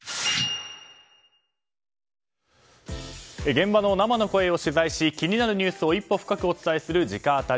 現場の生の声を取材し気になるニュースを一歩深くお伝えする直アタリ。